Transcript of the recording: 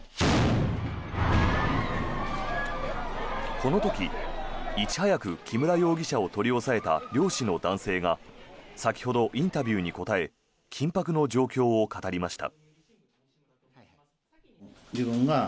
この時、いち早く木村容疑者を取り押さえた漁師の男性が先ほど、インタビューに答え緊迫の状況を語りました。